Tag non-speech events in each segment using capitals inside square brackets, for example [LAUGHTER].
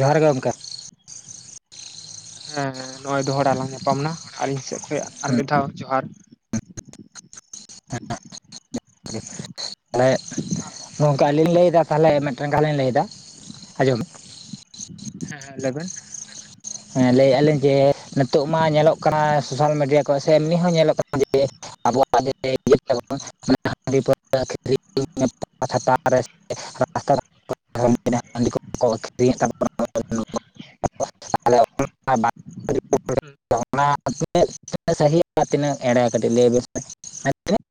ᱡᱚᱦᱟᱨ ᱜᱮ ᱜᱚᱝᱠᱮ ᱦᱮᱸ ᱱᱚᱜ ᱚᱭ ᱫᱚᱦᱲᱟᱟᱜ ᱟᱞᱟᱝ ᱧᱟᱯᱟᱢ ᱮᱱᱟ ᱟᱞᱤᱧ ᱥᱮᱫ ᱠᱷᱚᱱ ᱟᱨ ᱢᱤᱫ ᱫᱷᱟᱣ ᱡᱚᱦᱟᱨ ᱢᱟᱱᱮ [INAUDIBLE] ᱱᱚᱝᱠᱟ ᱟᱹᱞᱤᱧ ᱞᱟᱹᱭᱫᱟ ᱛᱟᱦᱚᱞᱮ ᱢᱤᱫᱴᱟᱝ ᱠᱷᱟ ᱞᱤᱧ ᱞᱟᱹᱭᱫᱟ ᱟᱸᱡᱚᱢ ᱢᱮ ᱦᱮᱸ ᱦᱮᱸ ᱞᱟᱹᱭᱵᱮᱱ ᱦᱮᱸ ᱞᱟᱹᱭᱮᱫᱼᱟ ᱞᱤᱧ ᱡᱮ ᱱᱤᱛᱳ ᱢᱟ ᱧᱮᱞᱚᱜ ᱠᱟᱱᱟ ᱥᱳᱥᱟᱞ ᱢᱤᱰᱤᱭᱟ ᱠᱚ ᱥᱮ ᱮᱢᱱᱤ ᱦᱚᱸ ᱧᱮᱞᱚᱜ ᱠᱟᱱᱟ ᱡᱮ ᱟᱵᱚᱣᱟᱜ ᱜᱮ [INAUDIBLE] [INAUDIBLE] ᱦᱟᱺᱰᱤ ᱟᱹᱠᱷᱨᱤᱧᱮᱫ ᱛᱟᱵᱚᱱᱟ [INAUDIBLE] ᱟᱞᱮ ᱚᱱᱟ ᱦᱮᱸ [INAUDIBLE] ᱚᱱᱟ [INAUDIBLE] ᱥᱟᱦᱤ ᱛᱤᱱᱟᱹᱜ ᱮᱲᱮ ᱠᱟᱹᱴᱤᱡ ᱞᱟᱹᱭᱵᱮᱱ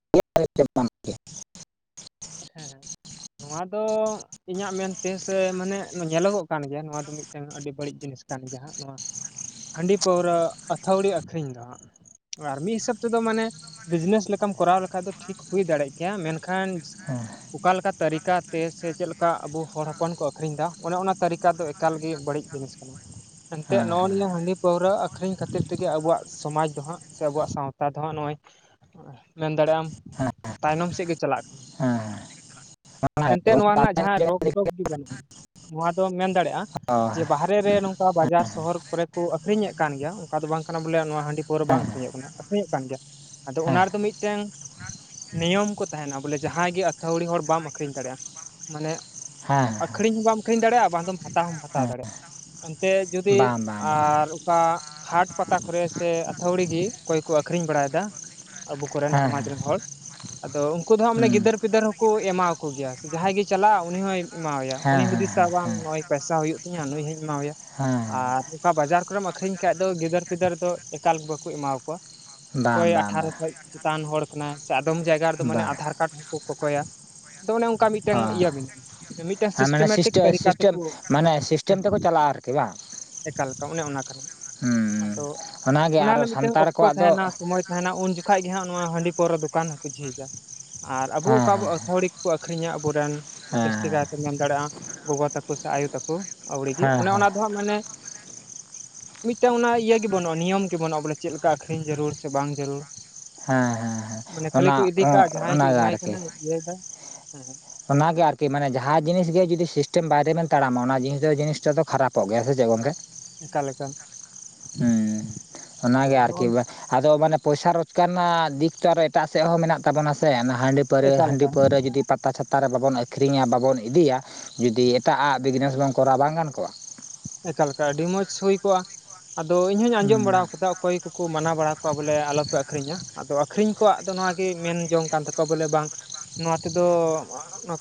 [INAUDIBLE] ᱦᱮᱸ ᱦᱮᱸ ᱱᱚᱣᱟ ᱫᱚ ᱤᱧᱟᱹᱜ ᱢᱮᱱᱛᱮ ᱥᱮ ᱢᱟᱱᱮ ᱧᱮᱞᱚᱜᱚᱜ ᱠᱟᱱ ᱜᱮᱭᱟ ᱱᱚᱣᱟ ᱫᱚ ᱢᱤᱫᱴᱟᱝ ᱟᱹᱰᱤ ᱵᱟᱹᱲᱤᱡ ᱡᱤᱱᱤᱥ ᱠᱟᱱ ᱜᱮᱭᱟ ᱦᱟᱸᱜ ᱱᱚᱣᱟ ᱦᱟᱺᱰᱤ ᱯᱟᱹᱣᱨᱟᱹ ᱟᱹᱛᱷᱣᱲᱤ ᱟᱹᱠᱷᱨᱤᱧ ᱫᱚ ᱦᱟᱸ ᱟᱨ ᱢᱤᱫ ᱦᱤᱥᱟᱹᱵ ᱛᱮᱫᱚ ᱢᱟᱱᱮ ᱵᱤᱡᱽᱱᱮᱥ ᱞᱮᱠᱟᱢ ᱠᱚᱨᱟᱣ ᱞᱮᱠᱷᱟᱡ ᱫᱚ ᱴᱷᱤᱠ ᱦᱩᱭ ᱫᱟᱲᱮᱭᱟᱜ ᱠᱮᱭᱟ ᱢᱮᱱᱠᱷᱟᱱ ᱦᱮ ᱚᱠᱟᱞᱮᱠᱟ ᱛᱟᱹᱨᱤᱠᱟᱛᱮ ᱥᱮ ᱪᱮᱫᱮᱠᱟ ᱟᱵᱚ ᱚᱠᱟ ᱞᱮᱠᱟ ᱛᱟᱨᱤᱠᱟ ᱛᱮ ᱥᱮ ᱪᱮᱫ ᱞᱮᱠᱟ ᱟᱵᱚ ᱦᱚᱲ ᱦᱚᱯᱚᱱ ᱠᱚ ᱟᱹᱷᱨᱤᱧ ᱮᱫᱟ ᱚᱱᱮ ᱚᱱᱟ ᱛᱟᱹᱨᱤᱠᱟ ᱫᱚ ᱮᱠᱟᱞᱜᱮ ᱵᱟᱹᱲᱤᱡ ᱡᱤᱱᱤᱥ ᱠᱟᱱᱟ ᱮᱱᱛᱮᱜ ᱦᱮᱸ ᱱᱚᱜᱼᱚᱭ ᱱᱤᱭᱟᱹ ᱦᱟᱺᱰᱤ ᱯᱟᱹᱣᱨᱟᱹ ᱟᱠᱷᱨᱤᱧ ᱠᱷᱟᱹᱛᱤᱨ ᱛᱮᱜᱮ ᱟᱵᱚᱣᱟᱜ ᱥᱚᱢᱟᱡᱽ ᱫᱚ ᱦᱟᱸᱜ ᱥᱮ ᱟᱵᱚᱣᱟᱜ ᱥᱟᱶᱛᱟ ᱫᱚ ᱦᱟᱸᱜ ᱱᱚᱜᱼᱚᱭ ᱢᱮᱱ ᱫᱟᱲᱮᱭᱟᱜ ᱟᱢ ᱛᱟᱭᱱᱚᱢ ᱥᱮᱫ ᱜᱮ ᱪᱟᱞᱟᱜ ᱠᱟᱱᱟ ᱦᱮᱸ ᱦᱮᱸ ᱮᱱᱛᱮᱫ ᱱᱚᱣᱟ ᱨᱮᱱᱟᱜ ᱡᱟᱦᱟᱸ ᱨᱳᱜᱽ ᱴᱚᱜ ᱜᱮ ᱵᱟᱹᱱᱩᱜᱼᱟ ᱱᱚᱣᱟ ᱫᱚ ᱢᱮᱱ ᱫᱟᱲᱮᱭᱟᱜᱼᱟ ᱡᱮ ᱵᱟᱦᱨᱮ ᱵᱮ ᱨᱮ ᱱᱚᱝᱠᱟ ᱵᱟᱡᱟᱨ ᱥᱚᱦᱚᱨ ᱠᱚᱨᱮ ᱠᱚ ᱟᱹᱷᱨᱤᱧ ᱮᱫ ᱠᱟᱱ ᱜᱮᱭᱟ ᱚᱱᱠᱟ ᱫᱚ ᱵᱟᱝ ᱠᱟᱱᱟ ᱵᱚᱞᱮ ᱱᱚᱣᱟ ᱦᱟᱺᱰᱤ ᱟᱹᱰᱤ ᱯᱟᱣᱨᱟ ᱵᱟᱝ ᱟᱠᱷᱨᱤᱧᱚᱜ ᱟᱠᱠᱷᱨᱤᱧᱚᱜ ᱠᱟᱱ ᱜᱮᱭᱟ ᱟᱫᱚ ᱦᱮᱸ ᱚᱱᱟ ᱨᱮᱫᱚ ᱢᱤᱫᱴᱟᱱ ᱱᱤᱭᱚᱢ ᱠᱚ ᱛᱟᱦᱮᱱᱟ ᱵᱚᱞᱮ ᱡᱟᱦᱟᱸᱭ ᱜᱮ ᱟᱹᱛᱷᱟᱣᱲᱤ ᱦᱚᱲ ᱵᱟᱢ ᱟᱹᱷᱨᱤᱧ ᱫᱟᱲᱮᱭᱟᱜᱼᱟ ᱢᱟᱱᱮ ᱦᱮᱸ ᱟ. ᱠᱷᱨᱤᱧ ᱦᱚᱸ ᱵᱟᱢ ᱟᱹᱠᱷᱨᱤᱧ ᱫᱟᱲᱮᱭᱟᱜᱼᱟ ᱵᱟᱝᱫᱚᱢ ᱦᱟᱛᱟᱣ ᱦᱚᱸᱢ ᱦᱟᱛᱟᱣ ᱦᱮᱸ ᱫᱟᱲᱮᱼᱟ ᱮᱱᱛᱮ ᱡᱩᱫᱤ ᱵᱟᱝ ᱵᱟᱝ ᱵᱟᱝ ᱟᱨ ᱚᱠᱟ [UNINTELLIGIBLE] ᱦᱟᱴ ᱯᱟᱛᱟ ᱠᱚᱨᱮ ᱥᱮ ᱟᱹᱛᱷᱟᱹᱣᱲᱤ ᱜᱮ ᱚᱠᱚᱭ ᱠᱚ ᱟᱹᱷᱨᱤᱧ ᱵᱟᱲᱟᱭᱮᱫᱟ ᱟᱵᱚ ᱠᱚᱨᱮᱱ ᱦᱮᱸ ᱦᱮᱸ ᱥᱚᱢᱟᱡᱽ ᱨᱮᱱ ᱦᱚᱲ ᱟᱫᱚ ᱩᱱᱠᱩ ᱫᱚ ᱦᱟᱸᱜ ᱢᱟᱱᱮ ᱦᱩᱸ ᱜᱤᱫᱟᱹᱨᱼ ᱯᱤᱫᱟᱹᱨ ᱦᱚᱸᱠᱚ ᱮᱢᱟᱣᱟᱠᱚ ᱜᱮᱭᱟ ᱥᱮ ᱡᱟᱦᱟᱸᱭ ᱜᱮᱭ ᱪᱟᱞᱟᱜᱼᱟ ᱩᱱᱤ ᱦᱚᱸᱭ ᱮᱢᱟᱣᱟᱭᱟᱭ ᱩᱱᱤ ᱦᱮᱸ ᱦᱮᱸ ᱦᱩᱫᱤᱥᱟ ᱦᱮᱸ ᱵᱟᱝ ᱦᱮᱸ ᱱᱚᱜᱼᱚᱭ ᱯᱚᱭᱥᱟ ᱦᱩᱭᱩᱜ ᱛᱤᱧᱟᱹ ᱱᱩᱭ ᱦᱚᱧ ᱮᱢᱟᱣᱟᱭᱟ ᱟᱨ ᱦᱮᱸ ᱚᱠᱟ ᱵᱟᱡᱟᱨ ᱠᱚᱨᱮᱢ ᱟᱹᱷᱨᱤᱧ ᱠᱷᱟᱡ ᱫᱚ ᱜᱤᱫᱟᱹᱨ ᱯᱤᱫᱟᱹᱨ ᱫᱚ ᱮᱠᱟᱞ ᱵᱟᱠᱚ ᱮᱢᱟᱣᱟᱠᱚᱣᱟ ᱵᱟᱝ ᱵᱟᱝ ᱵᱟᱝ ᱴᱟᱱ ᱦᱚᱲ ᱠᱟᱱᱟ ᱥᱮ ᱟᱫᱚᱢ ᱡᱟᱭᱜᱟ ᱨᱮᱫᱚ ᱢᱟᱱᱮ ᱵᱟᱝ ᱟᱫᱷᱟᱨ ᱠᱟᱨᱰ ᱦᱚᱸᱠᱚ ᱠᱚᱠᱚᱭᱟ ᱟᱫᱚ ᱚᱱᱮ ᱚᱱᱠᱟ ᱚ ᱢᱤᱫᱴᱟᱱ ᱤᱭᱟᱹ ᱢᱮᱱᱟᱜᱼᱟ ᱢᱤᱫᱴᱟᱱ ᱦᱮᱸ ᱢᱟᱱᱮ ᱥᱤᱥᱴᱮᱢᱮᱴᱤᱠ ᱥᱤᱥᱴᱮᱢ ᱛᱟᱹᱨᱤᱠᱟ ᱥᱤᱥᱴᱮᱢ ᱛᱮᱠᱚ ᱢᱟᱱᱮ ᱥᱤᱥᱴᱮᱢ ᱛᱮᱠᱚ ᱪᱟᱞᱟᱜᱼᱟ ᱟᱨᱠᱤ ᱵᱟᱝ ᱮᱠᱟᱞᱮᱠᱟ ᱚᱱᱮ ᱚᱱᱟ ᱠᱟᱱᱟ ᱦᱩᱸ ᱟᱫᱚ ᱚᱱᱟᱜᱮ ᱚᱱᱟ ᱟᱨᱚ ᱨᱮᱱᱟᱜ ᱢᱤᱫᱴᱮᱱ ᱥᱟᱱᱛᱟᱲ ᱚᱠᱛᱚ ᱠᱚᱣᱟᱜ ᱫᱚ ᱛᱟᱦᱮᱱᱟ ᱥᱚᱢᱚᱭ ᱛᱟᱦᱮᱱᱟ ᱩᱱ ᱡᱚᱠᱷᱟ ᱜᱮ ᱦᱟᱸᱜ ᱱᱚᱣᱟ ᱦᱟᱺᱰᱤ ᱯᱟᱹᱣᱨᱟ. ᱫᱚᱠᱟᱱ ᱦᱚᱸᱠᱚ ᱡᱷᱤᱡᱟ ᱟᱨ ᱟᱵᱚ ᱦᱮᱸ ᱚᱠᱟ ᱵᱚ ᱦᱮᱸ ᱟᱹᱛᱷᱟᱹᱲᱤ ᱠᱚ ᱟᱹᱷᱨᱤᱧᱟ ᱟᱵᱚᱨᱮᱱ ᱦᱮᱸ ᱡᱟᱹᱥᱛᱤ ᱠᱟᱭᱛᱮ ᱢᱮᱱ ᱫᱟᱲᱮᱭᱟᱜᱼᱟ ᱜᱚᱜᱚ ᱛᱟᱠᱚ ᱥᱮ ᱟᱭᱳ ᱛᱟᱠᱚ ᱟᱹᱣᱲᱤᱜᱮ ᱦᱮᱸ ᱚᱱᱮ ᱚᱱᱟ ᱫᱚ ᱦᱟᱸᱜ ᱢᱟᱱᱮ ᱢᱤᱫᱴᱟᱝ ᱚᱱᱟ ᱤᱭᱟᱹ ᱜᱮ ᱵᱟᱹᱱᱩᱜᱼᱟ ᱱᱤᱭᱚᱢ ᱜᱮ ᱵᱟᱹᱱᱼᱟ ᱵᱚᱞᱮ ᱪᱮᱫ ᱞᱮᱠᱟ ᱟᱠᱷᱨᱤᱧ ᱡᱟᱹᱨᱩᱲ ᱥᱮ ᱵᱟᱝ ᱡᱟᱹᱨᱩᱲ ᱦᱮᱸ ᱦᱮᱸ ᱦᱮᱸ ᱦᱮᱸ ᱢᱟᱱᱮ ᱠᱷᱟᱹᱞᱤ ᱚᱱᱟ ᱠᱚ ᱤᱫᱤ ᱠᱟᱜ ᱡᱟᱦᱟᱸᱭ ᱜᱮ ᱚᱱᱟᱜᱮ ᱮᱢᱟᱭ ᱟᱨᱠᱤ ᱠᱟᱱᱟ ᱤᱭᱟᱹᱭ ᱫᱟᱭ ᱦᱮᱸᱸ ᱚᱱᱟᱜᱮ ᱟᱨᱠᱤ ᱢᱟᱱᱮ ᱡᱟᱦᱟᱸ ᱡᱤᱱᱤᱥ ᱜᱮ ᱟᱨᱠᱤ ᱡᱩᱫᱤ ᱥᱤᱥᱴᱮᱢ ᱵᱟᱭᱨᱮᱵᱤᱱ ᱛᱟᱲᱟᱢᱟ ᱚᱱᱟ ᱡᱤᱱᱤᱥ ᱫᱚ ᱡᱤᱱᱤᱥᱴᱟ ᱫᱚ ᱠᱷᱟᱨᱟᱯᱚᱜ ᱜᱮᱭᱟ ᱥᱮ ᱪᱮᱫ ᱜᱚᱝᱠᱮ ᱮᱠᱟᱞ ᱮᱠᱟᱞ ᱟᱫᱚ ᱚᱱᱟᱜᱮ ᱱᱚᱜᱼᱚ ᱟᱨᱠᱤ ᱟᱫᱚ ᱢᱟᱱᱮ ᱯᱚᱭᱥᱟ ᱨᱳᱡᱽᱠᱟᱨ ᱨᱮᱱᱟᱜ ᱫᱤᱠ ᱴᱟᱜ ᱮᱴᱟᱜ ᱥᱮᱫ ᱦᱚᱸ ᱢᱮᱱᱟᱜ ᱛᱟᱵᱚᱱᱟ ᱥᱮ ᱦᱟᱺᱰᱤ ᱯᱮ [UNINTELLIGIBLE] ᱮᱠᱟᱞ ᱦᱟᱹᱰᱤ ᱮᱠᱟᱞ ᱯᱟᱹᱣᱨᱟ ᱨᱮ ᱡᱩᱫᱤ ᱯᱟᱛᱟ ᱪᱷᱟᱛᱟ ᱨᱮ ᱵᱟᱵᱚᱱ ᱟᱹᱠᱷᱨᱤᱧᱟ ᱵᱟᱵᱚᱱ ᱤᱫᱤᱭᱟ ᱡᱩᱫᱤ ᱮᱴᱟᱜᱼᱜ ᱵᱤᱡᱽᱱᱮᱥ ᱵᱚᱱ ᱠᱚᱨᱟᱣ ᱵᱟᱝ ᱜᱟᱱ ᱠᱚᱜᱼᱟ ᱮᱠᱟᱮᱠᱟ ᱟᱹᱰᱤ ᱢᱚᱸᱡᱽ ᱦᱩᱭ ᱠᱚᱜᱼᱟ ᱟᱫᱚ ᱤᱧᱦᱚᱧ ᱟᱸᱡᱚᱢ ᱦᱩᱸ ᱵᱟᱲᱟ ᱟᱠᱟᱫᱟ ᱚᱠᱚᱭ ᱠᱚᱠᱚ ᱢᱟᱱᱟᱣ ᱵᱟᱲᱟ ᱠᱚᱣᱟ ᱵᱚᱞᱮ ᱚᱠᱚᱭ ᱠᱚᱠᱚ ᱢᱟᱱᱟ ᱵᱟᱲᱟ ᱠᱚᱣᱟ ᱵᱚᱞᱮ ᱟᱞᱚᱯᱮ ᱟᱠᱷᱨᱤᱧᱟ ᱟᱫᱚ ᱟᱠᱷᱨᱤᱧ ᱠᱚᱣᱟᱜ ᱫᱚ ᱱᱚᱣᱟᱜᱮ ᱢᱮᱱ ᱡᱚᱝ ᱠᱟᱱ ᱛᱟᱠᱚᱣᱟ ᱵᱚᱞᱮ ᱵᱟᱝ ᱱᱚᱣᱟ ᱛᱮᱫᱚ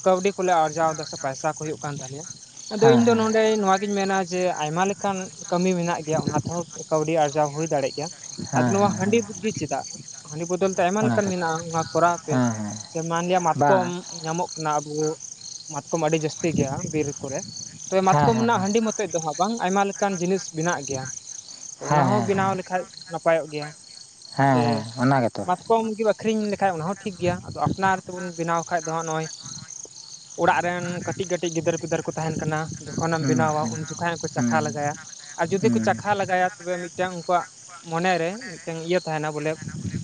ᱠᱟᱹᱣᱰᱤ ᱠᱚᱞᱮ ᱟᱨᱡᱟᱣ ᱫᱟ ᱥᱮ ᱯᱟᱭᱥᱟ ᱠᱚ ᱦᱩᱭᱩᱜ ᱠᱟᱱ ᱛᱟᱞᱮᱭᱟ ᱟᱫᱚ ᱦᱮᱸ ᱤᱧ ᱫᱚ ᱦᱮᱸ ᱱᱚᱰᱮ ᱱᱚᱣᱟᱜᱤᱧ ᱢᱮᱱᱟ ᱡᱮ ᱟᱭᱢᱟ ᱞᱮᱠᱟᱱ ᱠᱟᱹᱢᱤ ᱢᱮᱱᱟᱜ ᱜᱮᱭᱟ ᱚᱱᱟ ᱛᱮᱦᱚᱸ ᱠᱟᱹᱣᱰᱤ ᱟᱨᱡᱟᱣ ᱦᱩᱭ ᱫᱟᱲᱮᱜ ᱜᱮᱭᱟ ᱟᱫᱚ ᱦᱮᱸ ᱱᱚᱣᱟ ᱦᱮᱸ ᱦᱮᱸ ᱦᱟᱸᱰᱤ ᱜᱮ ᱪᱮᱫᱟᱜ? ᱦᱟᱸᱰᱤ ᱵᱚᱫᱚᱞ ᱛᱮ ᱟᱭᱢᱟ ᱚᱱᱟ ᱞᱮᱠᱟᱱ ᱠᱟᱛᱷᱟ ᱢᱮᱱᱟᱜᱼᱟ ᱚᱱᱟ ᱠᱚᱨᱟᱣ ᱯᱮ ᱦᱮᱸ ᱦᱮᱸ ᱥᱮ ᱢᱟᱱᱞᱮᱭᱟ ᱵᱟᱝ ᱢᱟᱛᱠᱚᱢ ᱧᱟᱢᱚᱜ ᱠᱟᱱᱟ ᱟᱵᱚ ᱢᱟᱛᱠᱚᱢ ᱟᱹᱰᱤ ᱡᱟᱹᱥᱛᱤ ᱜᱮᱭᱟ ᱵᱤᱨ ᱠᱚᱨᱮ ᱛᱚᱵᱮ ᱦᱮᱸ ᱢᱟᱛᱠᱚᱢ ᱦᱮᱸ ᱦᱮᱸ ᱦᱮᱸ ᱨᱮᱱᱟᱜ ᱦᱟᱺᱰᱤ ᱢᱚᱛᱚ ᱱᱤᱛ ᱫᱚ ᱦᱟᱸᱜ ᱵᱟᱝ ᱟᱭᱢᱟ ᱞᱮᱠᱟᱱ ᱡᱤᱱᱤᱥ ᱵᱮᱱᱟᱜ ᱜᱮᱭᱟ ᱚᱱᱟ ᱦᱮᱸ ᱦᱚᱸ ᱦᱮᱸ ᱵᱮᱱᱟᱣ ᱞᱮᱠᱟ ᱠᱷᱟᱱ ᱱᱟᱯᱟᱭ-ᱚᱜ ᱜᱮᱭᱟ ᱦᱮᱸ ᱪᱮ ᱦᱮᱸ ᱚᱱᱟ ᱜᱮᱛᱚ ᱠᱚᱢ ᱜᱮᱢ ᱟᱹᱠᱷᱨᱤᱧ ᱞᱮᱠᱷᱟᱡ ᱚᱱᱟ ᱦᱚᱸ ᱴᱷᱤᱠ ᱜᱮᱭᱟ ᱟᱫᱚ ᱟᱯᱱᱟᱨ ᱛᱮᱵᱚᱱ ᱵᱮᱱᱟᱣ ᱠᱷᱟᱡ ᱫᱚ ᱦᱟᱸᱜ ᱱᱚᱜᱼᱚᱭ ᱚᱲᱟᱜ ᱨᱮᱱ ᱠᱟᱹᱴᱤᱡ ᱠᱟᱹᱴᱤᱡ ᱜᱤᱫᱟᱹᱨ ᱯᱤᱫᱟᱹᱨ ᱠᱚ ᱛᱟᱦᱮᱱ ᱠᱟᱱᱟ ᱡᱚᱠᱷᱚᱱᱮᱢ ᱦᱩᱸ ᱵᱮᱱᱟᱣᱟ ᱦᱩᱸ ᱩᱱ ᱡᱚᱠᱷᱚᱱ ᱠᱚ ᱪᱟᱠᱷᱟ ᱦᱩᱸ ᱞᱮᱜᱟᱭᱟ ᱟᱨ ᱡᱩᱫᱤ ᱠᱚ ᱦᱩᱸ ᱪᱟᱠᱷᱟ ᱞᱮᱟᱜᱟᱭᱟ ᱛᱚᱵᱮ ᱢᱤᱫᱴᱟᱝ ᱩᱱᱠᱩᱣᱟᱜ ᱢᱚᱱᱮᱨᱮ ᱢᱤᱫᱴᱮᱱ ᱤᱭᱟᱹ ᱛᱟᱦᱮᱱᱟ ᱵᱚᱞᱮ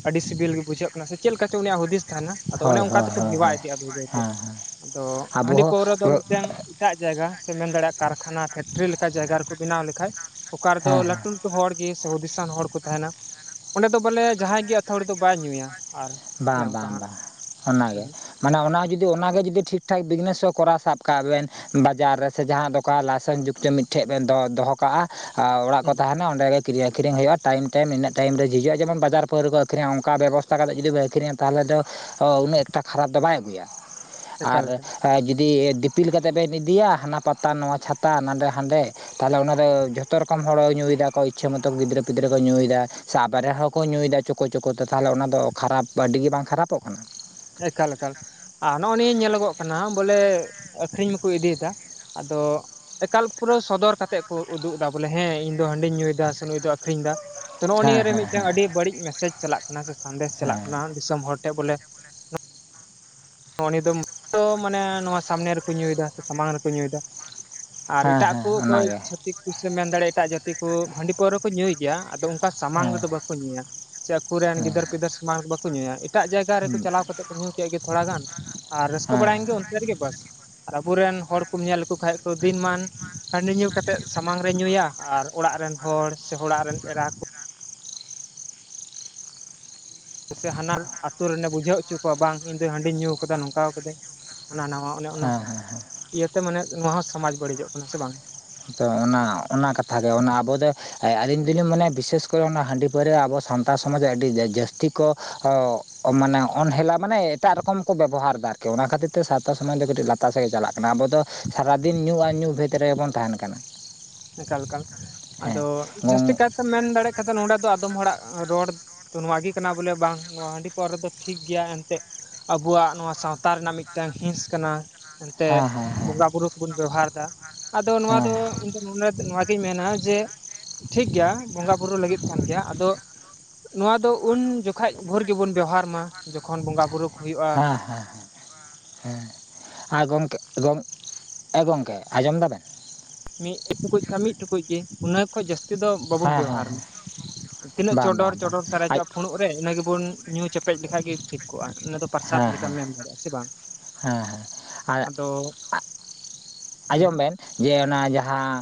ᱟᱹᱰᱤ ᱥᱤᱵᱤᱞ ᱜᱮ ᱵᱩᱡᱷᱟᱹᱜ ᱠᱟᱱᱟ ᱥᱮ ᱪᱮᱫᱮᱠᱟ ᱪᱚᱝ ᱩᱱᱤᱭᱟᱜ ᱦᱩᱫᱤᱥ ᱛᱟᱦᱮᱱᱟ ᱟᱫᱚ ᱚᱱᱮ ᱦᱳᱭ ᱚᱱᱠᱟ ᱦᱳᱭ ᱛᱮᱠᱚ ᱦᱳᱭ ᱦᱮᱣᱟ ᱦᱳᱭ ᱤᱫᱤᱜᱼᱟ ᱵᱟᱹᱭ ᱵᱟᱹᱭᱛᱮ ᱦᱮᱸ ᱦᱮᱸ ᱟᱫᱚ ᱟᱵᱚ ᱦᱟᱺᱰᱤ ᱯᱟᱹᱣᱨᱟᱹ ᱫᱚ ᱦᱚᱸ ᱢᱤᱫᱴᱮᱱ ᱮᱴᱟᱜ ᱡᱟᱭᱜᱟ ᱥᱮᱢ ᱢᱮᱱ ᱫᱟᱲᱮᱭᱟᱜᱼᱟ ᱠᱟᱨᱠᱷᱟᱱᱟ ᱯᱷᱮᱠᱴᱨᱤ ᱞᱮᱠᱟ ᱡᱟᱭᱜᱟ ᱨᱮᱠᱚ ᱵᱮᱱᱟᱣ ᱞᱮᱠᱷᱟᱡ ᱚᱠᱟ ᱨᱮᱫᱚ ᱦᱮᱸ ᱦᱮᱸ ᱞᱟᱹᱴᱩ ᱦᱚᱲ ᱜᱮ ᱥᱮ ᱦᱩᱫᱤᱥᱟᱱ ᱦᱚᱲ ᱠᱚ ᱛᱟᱦᱮᱱᱟ ᱚᱸᱰᱮ ᱫᱚ ᱵᱚᱞᱮ ᱡᱟᱦᱟᱸᱭ ᱜᱮ ᱟᱹᱛᱲᱤ ᱫᱚ ᱵᱟᱭ ᱧᱩᱭᱟ ᱟᱨ ᱚᱱᱮ ᱵᱟᱝ ᱚᱱᱠᱟ ᱵᱟᱝ ᱦᱟᱸᱜ ᱵᱟᱝ ᱦᱩᱸ ᱚᱱᱟᱜᱮ ᱢᱟᱱᱮ ᱚᱱᱟ ᱡᱩᱫᱤ ᱚᱱᱟᱜᱮ ᱡᱩᱫᱤ ᱴᱷᱤᱠ ᱴᱷᱟᱠ ᱵᱤᱡᱽᱱᱮᱥ ᱦᱚᱸ ᱠᱚᱨᱟᱣ ᱥᱟᱵ ᱠᱟᱜ ᱵᱮᱱ ᱵᱟᱡᱟᱨ ᱨᱮ ᱥᱮ ᱡᱟᱦᱟᱸ ᱫᱚᱠ ᱞᱟᱭᱥᱮᱱᱥ ᱡᱩᱠᱛᱚ ᱢᱤᱫᱴᱷᱮᱱ ᱫᱚ ᱫᱚᱦᱚ ᱠᱟᱜᱼᱟ ᱚᱲᱟᱜ ᱠᱚ ᱦᱩᱸ ᱛᱟᱦᱮᱱᱟ ᱚᱸᱰᱮ ᱜᱮ ᱠᱤᱨᱤᱣ ᱟᱹᱠᱷᱨᱤᱧ ᱦᱩᱭᱩᱜᱼᱟ ᱴᱟᱭᱳᱢ ᱤᱱᱟᱹ ᱴᱟᱭᱤᱢ ᱡᱤᱡᱼᱟ ᱡᱮᱢᱚᱱ ᱵᱟᱡᱟᱨ ᱯᱟᱣᱨᱟᱹ ᱠᱚ ᱟᱹᱠᱷᱨᱤᱧ ᱚᱱᱠᱟ ᱵᱮᱵᱚᱥᱛᱟ ᱠᱟᱛᱮᱫ ᱡᱩᱤ ᱵ ᱟᱹᱠᱷᱨᱤᱧᱟ ᱛᱟᱦᱚᱞᱮ ᱫᱚ ᱩᱱᱟᱹᱜ ᱮᱠᱴᱟ ᱠᱷᱟᱨᱟᱯ ᱫᱚ ᱵᱟᱭ ᱟᱹᱜᱩᱭᱟ ᱮᱠᱟᱞ ᱟᱨ ᱮᱠᱟᱞ ᱦᱮ ᱡᱩᱫᱤ ᱫᱤᱯᱤᱞ ᱠᱟᱛᱮᱫ ᱵᱮᱱ ᱤᱫᱤᱭᱟ ᱦᱟᱱᱟ ᱯᱟᱛᱟ ᱱᱚᱣᱟ ᱪᱷᱟᱛᱟ ᱱᱟᱰᱮ ᱦᱟᱸᱰᱮ ᱛᱟᱦᱚᱞᱮ ᱚᱱᱟ ᱫᱚ ᱡᱚᱛᱚ ᱨᱚᱠᱚᱢ ᱦᱚᱲ ᱛᱟᱦᱚᱞᱮ ᱧᱩᱭᱮᱫᱟ ᱠᱚ ᱤᱪᱪᱷᱟᱹ ᱢᱚᱛᱚ ᱜᱤᱫᱽᱨᱟᱹ ᱯᱤᱫᱽᱨᱟᱹ ᱠᱚ ᱧᱩᱭᱮᱫᱟ ᱥᱮ ᱟᱵᱟᱨᱮ ᱦᱚᱠᱚᱸ ᱧᱩᱭᱮᱫᱟ ᱪᱳᱠᱳ ᱪᱳᱠᱚᱛᱮ ᱛᱟᱦᱚᱞᱮ ᱚᱱᱟᱫᱚ ᱠᱷᱟᱨᱟᱯ ᱟᱹᱰᱤᱜ ᱜᱮ ᱵᱟᱝ ᱠᱷᱟᱨᱟᱯᱚᱜ ᱠᱟᱱᱟ ᱮᱠᱟᱞ ᱮᱠᱟᱞ ᱟᱨ ᱱᱚᱜᱼᱚᱭ ᱱᱤᱭᱟᱹ ᱧᱮᱞᱚᱜᱚᱜ ᱠᱟᱱᱟ ᱵᱚᱞᱮ ᱟᱠᱠᱷᱨᱤᱧ ᱢᱟᱠᱚ ᱤᱫᱤᱭᱮᱫᱟ ᱟᱫᱚ ᱮᱠᱟᱞ ᱯᱩᱨᱟᱹ ᱥᱚᱫᱚᱨ ᱠᱟᱛᱮᱫ ᱠᱚ ᱩᱫᱩᱜ ᱮᱫᱟ ᱵᱚᱞᱮ ᱦᱮᱸ ᱤᱧ ᱫᱚ ᱦᱟᱺᱰᱤᱧ ᱧᱩᱭᱮᱫᱟ ᱥᱮ ᱱᱩᱭ ᱫᱚ ᱟᱠᱷᱨᱤᱧ ᱮᱫᱟ ᱛᱚ ᱱᱚᱜᱼᱚᱭ ᱦᱮᱸ ᱱᱤᱭᱟ ᱦᱮᱸ ᱦᱮᱸ ᱱᱚᱣᱟ ᱵᱟᱹᱲᱤᱡ ᱢᱮᱥᱮᱡᱽ ᱪᱟᱞᱟᱜ ᱠᱟᱱᱟ ᱥᱮ ᱥᱟᱸᱫᱮᱥ ᱪᱟᱞᱟᱜ ᱦᱮᱸ ᱠᱟᱱᱟ ᱫᱤᱥᱚᱢ ᱦᱚᱲ ᱴᱷᱮᱱ ᱵᱚᱞᱮ ᱩᱱᱤ ᱫᱚ ᱢᱟᱱᱮ ᱱᱚᱣᱟ ᱥᱟᱢᱱᱮ ᱨᱮᱠᱚ ᱧᱩᱭᱮᱫᱟ ᱥᱮ ᱥᱟᱢᱟᱝ ᱨᱮᱠᱚ ᱧᱩᱭᱮᱫᱟ ᱟᱨ ᱦᱮᱸ ᱮᱴᱟᱜ ᱦᱮᱸ ᱠᱚ ᱚᱠᱚᱭ ᱚᱱᱟᱜᱮ ᱪᱷᱟᱹᱛᱤᱠ ᱠᱩ ᱥᱮ ᱮᱢ ᱢᱮᱱ ᱫᱟᱲᱮᱼᱟ ᱮᱴᱟᱜ ᱡᱟᱹᱛᱤ ᱠᱚ ᱦᱟᱺᱰᱤ ᱯᱟᱹᱨᱣᱟ ᱠᱚ ᱧᱩᱭ ᱜᱮᱭᱟ ᱟᱫᱚ ᱚᱱᱠᱟ ᱥᱟᱢᱟᱝ ᱦᱮᱸ ᱨᱮᱫᱚ ᱵᱟᱠᱚ ᱵᱟᱧ ᱧᱩᱭᱟ ᱥᱮ ᱟᱠᱚᱨᱮᱱ ᱦᱮᱸ ᱜᱤᱫᱟᱹᱨ ᱯᱤᱫᱟᱹᱨ ᱥᱚᱢᱟᱱ ᱵᱟᱠᱚ ᱧᱩᱭᱟ ᱮᱴᱟᱜ ᱡᱟᱭᱜᱟ ᱨᱮᱠᱚ ᱪᱟᱞᱟᱣ ᱠᱟᱛᱮ ᱧᱩ ᱠᱮᱫ ᱜᱮ ᱛᱷᱚᱲᱟ ᱜᱟᱱ ᱟᱨ ᱨᱟᱹᱥᱠᱟᱹ ᱦᱮᱸ ᱦᱮᱸ ᱵᱟᱲᱟᱭᱮᱱ ᱜᱮ ᱚᱱᱛᱮ ᱨᱮᱜᱮ ᱵᱟᱥ ᱟᱨ ᱟᱵᱚᱨᱮᱱ ᱦᱚᱲ ᱠᱚᱢ ᱧᱮᱞ ᱞᱮᱠᱚ ᱠᱷᱟᱡ ᱠᱚ ᱫᱤᱱᱢᱟᱱ ᱦᱟᱺᱰᱤ ᱧᱩ ᱠᱟᱛᱮᱫ ᱥᱟᱢᱟᱝ ᱨᱮ ᱧᱩᱭᱟ ᱟᱨ ᱚᱲᱟᱜ ᱨᱮᱱ ᱦᱚᱲ ᱥᱮ ᱚᱲᱟᱜ ᱨᱮᱱ ᱮᱨᱟ ᱠᱚ ᱥᱮ ᱦᱟᱱᱟ ᱟᱹᱛᱩ ᱨᱮᱱᱮ ᱵᱩᱡᱷᱟᱹᱣ ᱦᱚᱪᱚ ᱠᱚᱣᱟ ᱵᱟᱝ ᱤᱧ ᱫᱚ ᱦᱟᱺᱰᱤᱧ ᱧᱩ ᱠᱟᱫᱟ ᱱᱚᱝᱠᱟ ᱠᱟᱫᱟ ᱚᱱᱟ ᱚᱱᱟ ᱦᱚ ᱚᱱᱮ ᱚᱱᱟ ᱦᱮᱸ ᱤᱭᱟᱹᱛᱮ ᱢᱟᱱᱮ ᱱᱚᱣᱟ ᱦᱚᱸ ᱥᱚᱢᱟᱡᱽ ᱵᱟᱹᱲᱤᱡᱚᱜ ᱠᱟᱱᱟ ᱥᱮ ᱵᱟᱝ? ᱛᱚ ᱚᱱᱟ ᱚᱱᱟ ᱠᱟᱛᱷᱟᱟᱜ ᱜᱮ ᱚᱱᱟ ᱟᱵᱚ ᱫᱚ ᱟᱹᱞᱤᱧ ᱫᱚᱞᱤᱧ ᱢᱚᱱᱟ ᱵᱤᱥᱮᱥ ᱠᱚᱨᱮ ᱚᱱᱟ ᱦᱟᱺᱰᱤ ᱯᱟᱹᱨᱟᱹᱭᱟ ᱟᱵᱚ ᱥᱟᱱᱛᱟᱲ ᱥᱚᱢᱟᱡᱽ ᱨᱮ ᱟᱹᱰᱤ ᱡᱟᱹᱥᱛᱤ ᱠᱚ ᱦᱚ ᱢᱟᱱᱮ ᱚᱱᱦᱮᱞᱟᱯ ᱢᱟᱱᱮ ᱮᱴᱟᱜ ᱨᱚᱠᱚᱢ ᱠᱚ ᱵᱮᱵᱚᱦᱟᱨ ᱮᱫᱟ ᱟᱨᱠᱤ ᱚᱱᱟ ᱠᱷᱟᱹᱛᱤᱨ ᱥᱟᱶᱛᱟ ᱥᱚᱢᱟᱡᱽ ᱫᱚ ᱞᱟᱛᱟᱨ ᱥᱮᱫ ᱜᱮ ᱪᱟᱞᱟᱜ ᱠᱟᱱᱟ ᱟᱵᱚ ᱫᱚ ᱥᱟᱨᱟᱫᱤᱱ ᱧᱩ ᱟᱨ ᱧᱩ ᱵᱷᱮᱛ ᱨᱮᱜᱮ ᱵᱚᱱ ᱛᱟᱦᱮᱱ ᱠᱟᱱᱟ ᱮᱠᱟᱞ ᱮᱠᱟᱞ ᱦᱮᱸ ᱟᱫᱚ ᱜᱚᱝ ᱡᱟᱹᱥᱛᱤ ᱠᱟᱭᱛᱮᱢ ᱢᱮᱱ ᱫᱟᱲᱮᱭᱟᱜ ᱠᱷᱟᱱ ᱱᱚᱰᱮ ᱫᱚ ᱟᱫᱚᱢ ᱦᱚᱲᱟᱜ ᱨᱚᱲ ᱛᱚ ᱱᱚᱣᱟ ᱜᱮ ᱠᱟᱱᱟ ᱵᱚᱞᱮ ᱵᱟᱝ ᱱᱚᱣᱟ ᱦᱟᱺᱰᱤ ᱯᱟᱹᱨᱣᱟ ᱫᱚ ᱴᱷᱤᱠ ᱜᱮᱭᱟ ᱮᱱᱛᱮᱫ ᱟᱵᱚᱣᱟᱜ ᱱᱚᱣᱟ ᱥᱟᱶᱛᱟ ᱨᱮᱱᱟᱜ ᱢᱤᱫᱴᱟᱝ ᱦᱤᱸᱥ ᱠᱟᱱᱟ ᱮᱱᱛᱮᱫ ᱦᱮᱸ ᱦᱮᱸ ᱦᱮᱸ ᱵᱚᱸᱜᱟ ᱵᱩᱨᱩ ᱠᱚᱵᱚᱱ ᱵᱮᱵᱚᱦᱟᱨ ᱫᱟ ᱟᱫᱚ ᱱᱚᱣᱟ ᱦᱮᱸ ᱫᱚ ᱤᱧ ᱫᱚ ᱱᱚᱰᱮ ᱱᱚᱣᱟᱜᱤᱧ ᱢᱮᱱᱟ ᱡᱮ ᱴᱷᱤᱠ ᱜᱮᱭᱟ ᱵᱚᱸᱜᱟ ᱵᱩᱨᱩ ᱞᱟᱹᱜᱤᱫ ᱠᱟᱱ ᱜᱮᱭᱟ ᱟᱫᱚ ᱱᱚᱣᱟ ᱫᱚ ᱩᱱ ᱡᱚᱠᱷᱟᱡ ᱵᱷᱳᱨ ᱜᱮᱵᱚᱱ ᱵᱮᱣᱦᱟᱨ ᱢᱟ ᱡᱚᱠᱷᱚᱱ ᱵᱚᱸᱜᱟ ᱵᱩᱨᱩ ᱠᱚ ᱦᱩᱭᱩᱜᱼᱟ ᱦᱮᱸ ᱦᱮᱸ ᱦᱮᱸ ᱦᱮᱸ ᱦᱮᱸ ᱜᱚᱢᱠᱮ ᱜᱚᱢ ᱮ ᱜᱚᱢᱠᱮ ᱟᱸᱡᱚᱢ ᱫᱟᱵᱮᱱ? ᱢᱤᱫ ᱴᱩᱠᱩᱡ ᱠᱷᱟ ᱢᱤᱫ ᱴᱩᱠᱩᱡ ᱜᱮ ᱩᱱᱟ. ᱜ ᱠᱷᱚᱡ ᱡᱟᱹᱥᱛᱤ ᱫᱚ ᱵᱟᱵᱚᱱ ᱦᱮᱸ ᱦᱮᱸ ᱵᱮᱣᱦᱟᱨ ᱢᱟ ᱦᱮᱸ ᱛᱤᱱᱟᱹᱜ ᱵᱟᱝ ᱪᱚᱰᱚᱨ ᱵᱟᱝ ᱵᱟᱝ ᱪᱚᱰᱚᱨ ᱟᱡ ᱥᱟᱨᱮᱡᱚᱜᱼᱟ ᱯᱷᱩᱲᱩᱜ ᱨᱮ ᱨᱮ ᱤᱱᱟᱹ ᱜᱮᱵᱚᱱ ᱧᱩ ᱪᱮᱯᱮᱡ ᱞᱮᱠᱷᱟᱡ ᱜᱮ ᱴᱷᱤᱠ ᱠᱚᱜᱼᱟ ᱚᱱᱟ ᱫᱚ ᱯᱨᱟᱥᱟᱫ ᱦᱮᱸ ᱞᱮᱠᱟᱢ ᱦᱮᱸ ᱢᱮᱱ ᱫᱟᱲᱮᱭᱟᱜᱼᱟ ᱦᱮᱸᱥᱮ ᱵᱟᱝ? ᱦᱮᱸ ᱦᱮᱸ ᱟᱨ ᱟᱫᱚ ᱦᱩᱸ ᱟᱸᱡᱚᱢ ᱵᱮᱱ ᱡᱮ ᱚᱱᱟ ᱡᱟᱦᱟᱸ